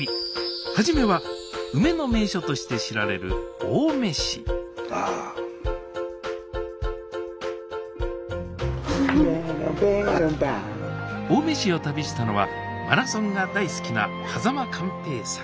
初めは梅の名所として知られる青梅市青梅市を旅したのはマラソンが大好きな間寛平さん